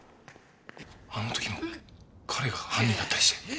あの時の彼が犯人だったりして。